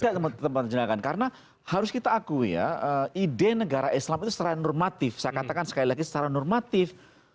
saya karena harus kita akui ya ide negara islam itu secara normatif saya katakan sekali lagi secara normatif